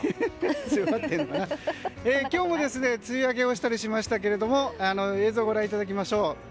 今日も梅雨明けをしたりしましたけど映像をご覧いただきましょう。